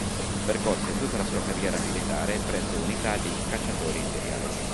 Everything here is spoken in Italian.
Percorse tutta la sua carriera militare presso unità di "Cacciatori imperiali".